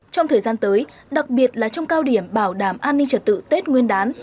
trong thời gian tới đặc biệt là trong cao điểm bảo đảm an ninh trật tự tết nguyên đán